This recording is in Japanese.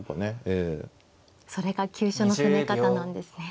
それが急所の攻め方なんですね。